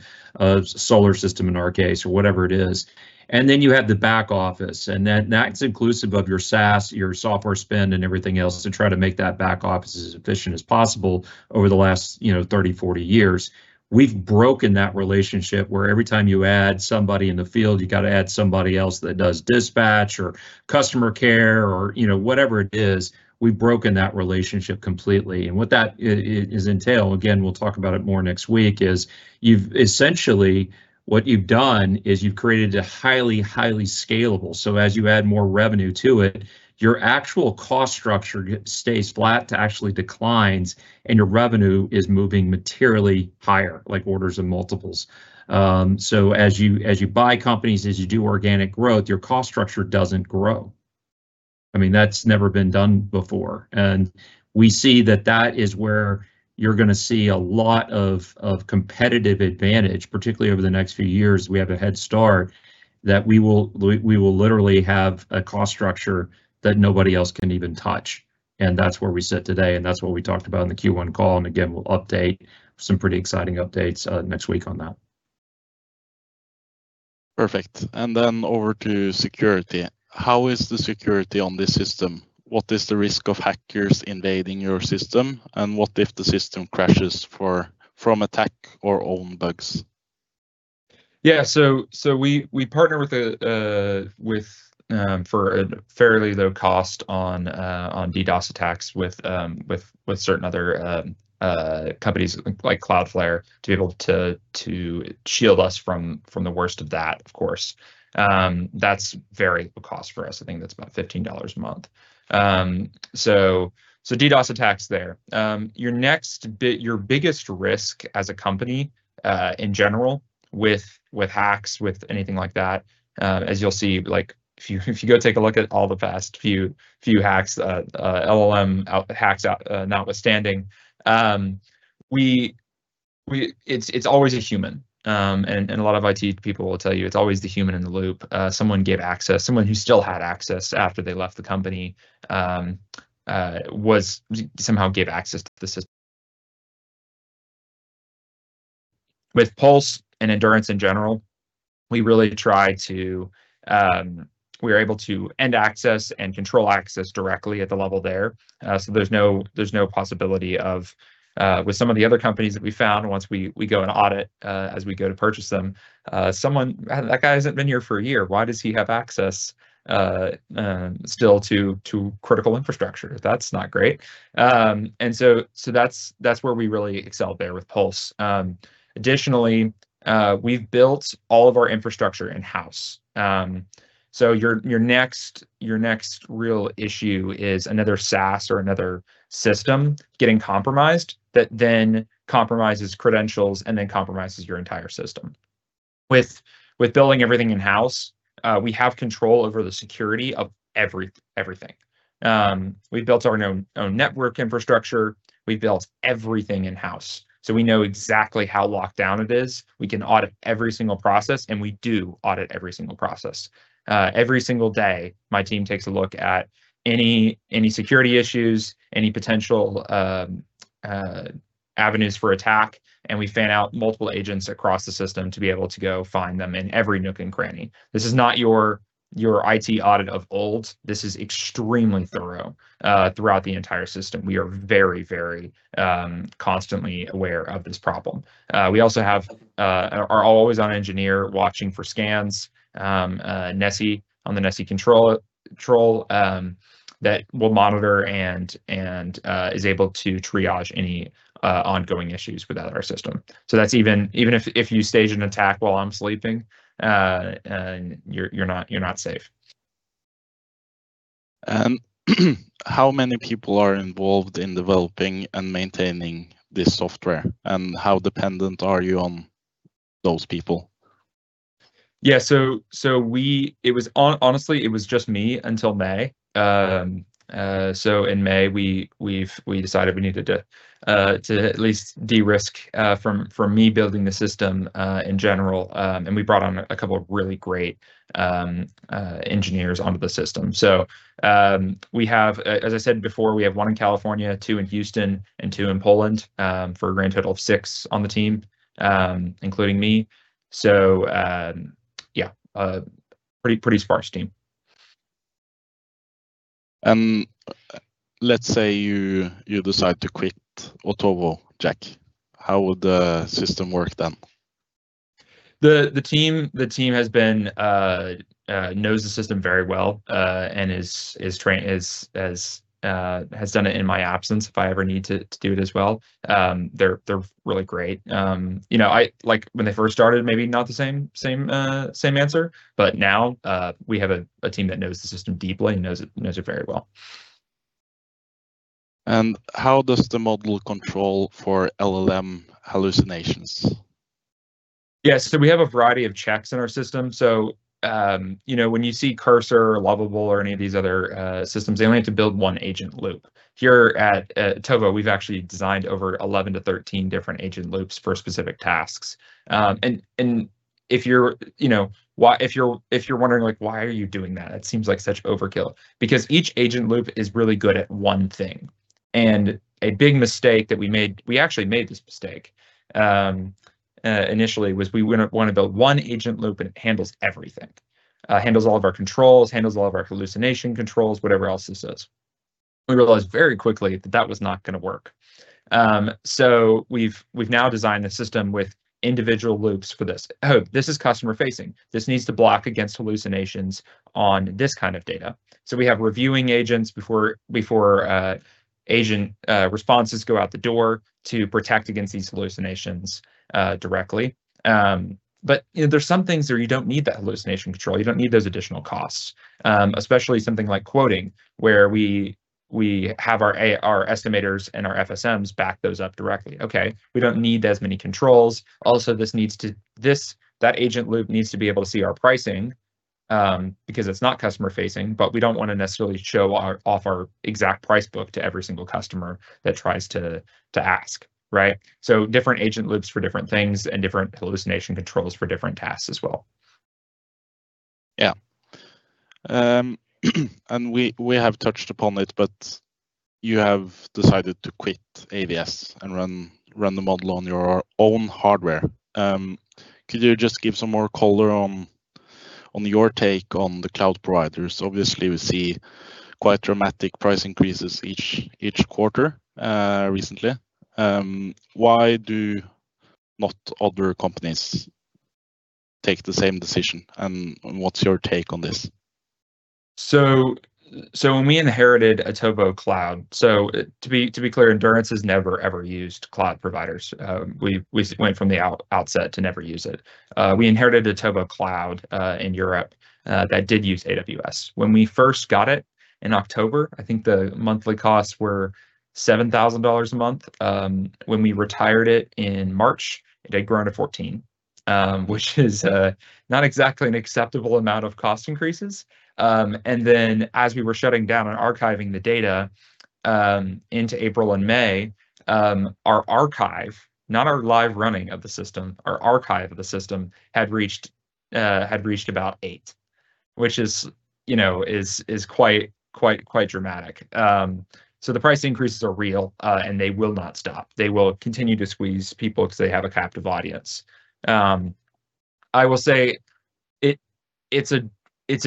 solar system in our case, or whatever it is. You have the back office, and that's inclusive of your SaaS, your software spend and everything else to try to make that back office as efficient as possible over the last 30, 40 years. We've broken that relationship where every time you add somebody in the field, you got to add somebody else that does dispatch or customer care or whatever it is. We've broken that relationship completely. What that is entailed, again, we'll talk about it more next week, is essentially what you've done is you've created a highly scalable. As you add more revenue to it, your actual cost structure stays flat to actually declines, and your revenue is moving materially higher, like orders of multiples. As you buy companies, as you do organic growth, your cost structure doesn't grow. I mean, that's never been done before. We see that that is where you're going to see a lot of competitive advantage, particularly over the next few years. We have a head start that we will literally have a cost structure that nobody else can even touch, and that's where we sit today, and that's what we talked about in the Q1 call. Again, we'll update some pretty exciting updates next week on that. Perfect. Then over to security. How is the security on this system? What is the risk of hackers invading your system? What if the system crashes from attack or own bugs? We partner for a fairly low cost on DDoS attacks with certain other companies like Cloudflare to be able to shield us from the worst of that, of course. That is very low cost for us. I think that is about NOK 15 a month. DDoS attacks there. Your biggest risk as a company, in general, with hacks, with anything like that, as you will see, if you go take a look at all the past few hacks, LLM hacks notwithstanding, it is always a human. A lot of IT people will tell you it is always the human in the loop. Someone gave access. Someone who still had access after they left the company somehow gave access to the system. With Pulse and Endurance in general, we are able to end access and control access directly at the level there. There is no possibility of, with some of the other companies that we found once we go and audit as we go to purchase them, "That guy has not been here for a year. Why does he have access still to critical infrastructure?" That is not great. That is where we really excel there with Pulse. Additionally, we have built all of our infrastructure in-house. Your next real issue is another SaaS or another system getting compromised that then compromises credentials and then compromises your entire system. With building everything in-house, we have control over the security of everything. We have built our own network infrastructure. We have built everything in-house. We know exactly how locked down it is. We can audit every single process, and we do audit every single process. Every single day, my team takes a look at any security issues, any potential avenues for attack, and we fan out multiple agents across the system to be able to go find them in every nook and cranny. This is not your IT audit of old. This is extremely thorough. Throughout the entire system, we are very constantly aware of this problem. We also have our always-on engineer watching for scans, Nessie on the Nessie control that will monitor and is able to triage any ongoing issues with our system. Even if you stage an attack while I am sleeping, you are not safe. How many people are involved in developing and maintaining this software, and how dependent are you on those people? Yeah. Honestly, it was just me until May. In May, we decided we needed to at least de-risk from me building the system in general, and we brought on a couple of really great engineers onto the system. As I said before, we have one in California, two in Houston, and two in Poland, for a grand total of six on the team, including me. Yeah, pretty sparse team. Let's say you decide to quit Otovo, Jack. How would the system work then? The team knows the system very well and has done it in my absence if I ever need to do it as well. They're really great. When they first started, maybe not the same answer, but now we have a team that knows the system deeply and knows it very well. How does the model control for LLM hallucinations? We have a variety of checks in our system. When you see Cursor, Lovable, or any of these other systems, they only have to build one agent loop. Here at Otovo, we've actually designed over 11-13 different agent loops for specific tasks. If you're wondering, "Why are you doing that? It seems like such overkill." Because each agent loop is really good at one thing. A big mistake that we made, we actually made this mistake initially, was we want to build one agent loop and it handles everything. Handles all of our controls, handles all of our hallucination controls, whatever else this is. We realized very quickly that that was not going to work. We've now designed the system with individual loops for this. "Oh, this is customer facing. This needs to block against hallucinations on this kind of data." We have reviewing agents before agent responses go out the door to protect against these hallucinations directly. There's some things where you don't need that hallucination control. You don't need those additional costs. Especially something like quoting, where we have our estimators and our FSMs back those up directly. Okay, we don't need as many controls. Also, that agent loop needs to be able to see our pricing, because it's not customer facing, but we don't want to necessarily show off our exact price book to every single customer that tries to ask, right? Different agent loops for different things and different hallucination controls for different tasks as well. We have touched upon it, but you have decided to quit AWS and run the model on your own hardware. Could you just give some more color on your take on the cloud providers? Obviously, we see quite dramatic price increases each quarter recently. Why do not other companies take the same decision, and what's your take on this? When we inherited Otovo Cloud to be clear, Endurance has never, ever used cloud providers. We went from the outset to never use it. We inherited Otovo Cloud in Europe, that did use AWS. When we first got it in October, I think the monthly costs were NOK 7,000 a month. When we retired it in March, it had grown to 14,000. Not exactly an acceptable amount of cost increases. As we were shutting down and archiving the data into April and May, our archive, not our live running of the system, our archive of the system had reached about 8,000. Quite dramatic. The price increases are real, and they will not stop. They will continue to squeeze people because they have a captive audience. I will say it's a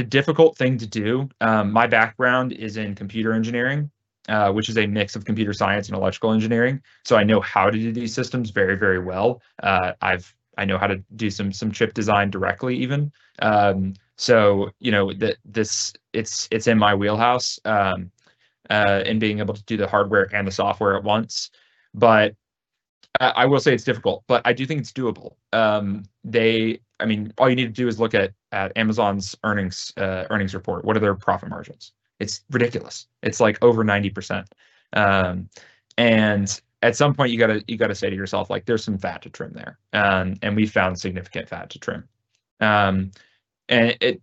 difficult thing to do. My background is in computer engineering, which is a mix of computer science and electrical engineering. I know how to do these systems very, very well. I know how to do some chip design directly even. It's in my wheelhouse, in being able to do the hardware and the software at once. I will say it's difficult. I do think it's doable. All you need to do is look at Amazon's earnings report. What are their profit margins? It's ridiculous. It's like over 90%. At some point you've got to say to yourself, "There's some fat to trim there." We found significant fat to trim. It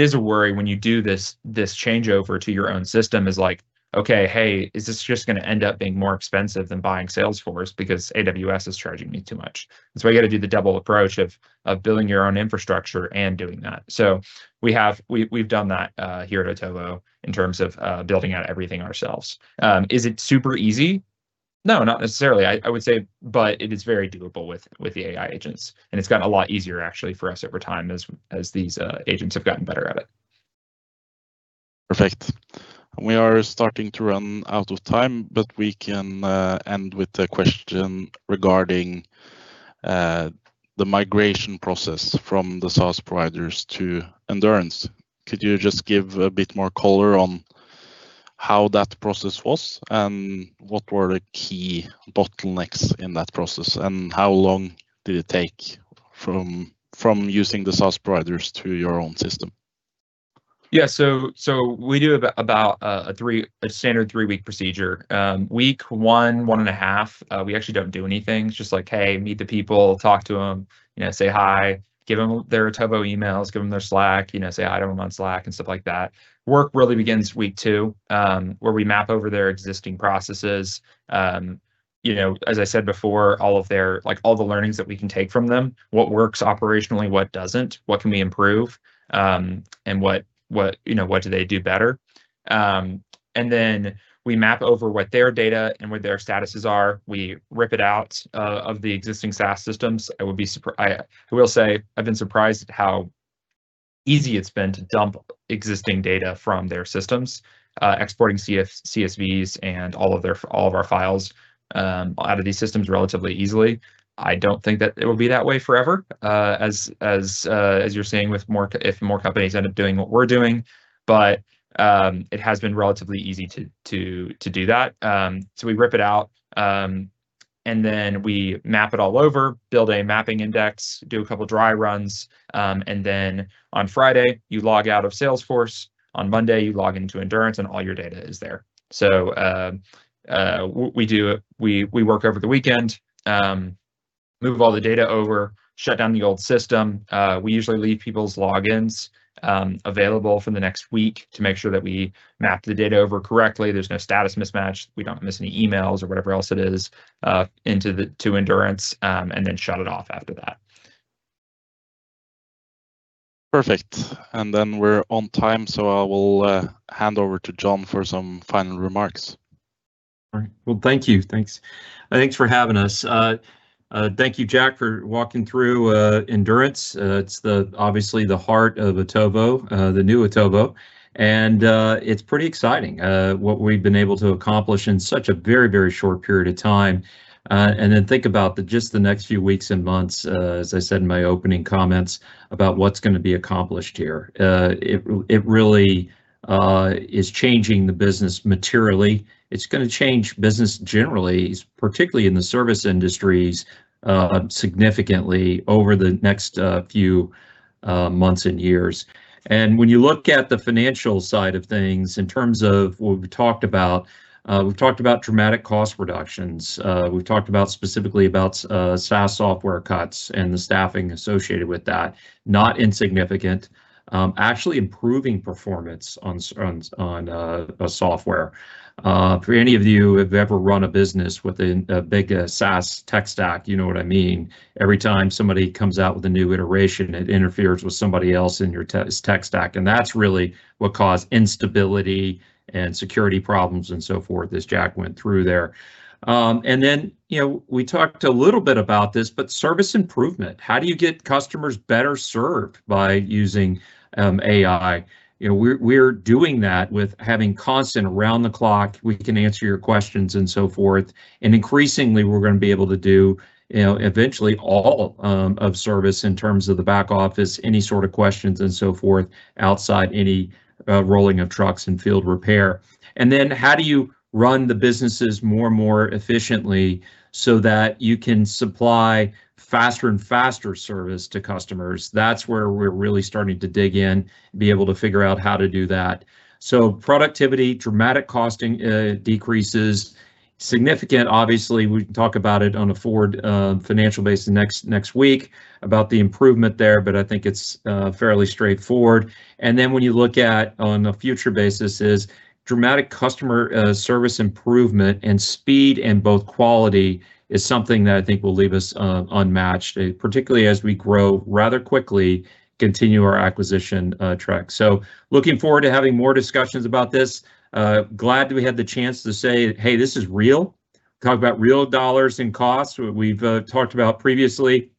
is a worry when you do this changeover to your own system is like, "Okay, hey, is this just going to end up being more expensive than buying Salesforce because AWS is charging me too much?" That's why you've got to do the double approach of building your own infrastructure and doing that. We've done that here at Otovo in terms of building out everything ourselves. Is it super easy? No, not necessarily, I would say. It is very doable with the AI agents, and it's gotten a lot easier, actually, for us over time as these agents have gotten better at it. Perfect. We are starting to run out of time, we can end with a question regarding the migration process from the SaaS providers to Endurance. Could you just give a bit more color on how that process was and what were the key bottlenecks in that process, and how long did it take from using the SaaS providers to your own system? Yeah. We do about a standard three-week procedure. Week one and a half, we actually don't do anything. It's just like, "Hey, meet the people, talk to them, say hi," give them their Otovo emails, give them their Slack, say hi to them on Slack and stuff like that. Work really begins week two, where we map over their existing processes. As I said before, all the learnings that we can take from them, what works operationally, what doesn't, what can we improve, what do they do better? We map over what their data and what their statuses are. We rip it out of the existing SaaS systems. I will say I've been surprised at how easy it's been to dump existing data from their systems, exporting CSVs and all of our files out of these systems relatively easily. I don't think that it will be that way forever, as you're seeing, if more companies end up doing what we're doing. It has been relatively easy to do that. We rip it out, we map it all over, build a mapping index, do a couple dry runs, on Friday you log out of Salesforce. On Monday, you log into Endurance and all your data is there. We work over the weekend, move all the data over, shut down the old system. We usually leave people's logins available for the next week to make sure that we map the data over correctly, there's no status mismatch, we don't miss any emails or whatever else it is to Endurance, shut it off after that. Perfect. We're on time, I will hand over to John for some final remarks. All right. Well, thank you. Thanks for having us. Thank you, Jack, for walking through Endurance. It's obviously the heart of Otovo, the new Otovo, it's pretty exciting what we've been able to accomplish in such a very short period of time. Think about just the next few weeks and months, as I said in my opening comments, about what's going to be accomplished here. It really is changing the business materially. It's going to change business generally, particularly in the service industries, significantly over the next few months and years. When you look at the financial side of things in terms of what we talked about, we've talked about dramatic cost reductions. We've talked specifically about SaaS software cuts and the staffing associated with that. Not insignificant. Actually improving performance on a software. For any of you who have ever run a business within a big SaaS tech stack, you know what I mean. Every time somebody comes out with a new iteration, it interferes with somebody else in your tech stack, and that's really what caused instability and security problems and so forth, as Jack went through there. We talked a little bit about this, but service improvement. How do you get customers better served by using AI? We're doing that with having constant around-the-clock, we can answer your questions and so forth. Increasingly, we're going to be able to do eventually all of service in terms of the back office, any sort of questions and so forth outside any rolling of trucks and field repair. How do you run the businesses more and more efficiently so that you can supply faster and faster service to customers? That's where we're really starting to dig in and be able to figure out how to do that. Productivity, dramatic costing decreases. Significant, obviously. We can talk about it on a forward financial basis next week about the improvement there, but I think it's fairly straightforward. When you look at on a future basis is dramatic customer service improvement and speed and both quality is something that I think will leave us unmatched, particularly as we grow rather quickly, continue our acquisition trek. Looking forward to having more discussions about this. Glad we had the chance to say, "Hey, this is real." Talk about real dollars and costs. We've talked about previously.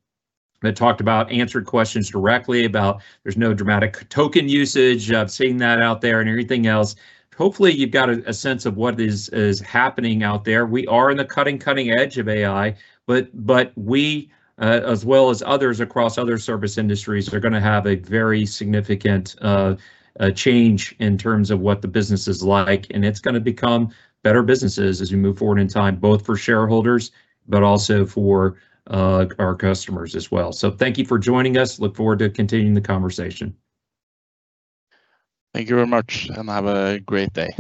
Talked about answered questions directly about there's no dramatic token usage. I've seen that out there and everything else. Hopefully, you've got a sense of what is happening out there. We are in the cutting edge of AI, but we, as well as others across other service industries, are going to have a very significant change in terms of what the business is like. It's going to become better businesses as we move forward in time, both for shareholders but also for our customers as well. Thank you for joining us. Look forward to continuing the conversation. Thank you very much. Have a great day.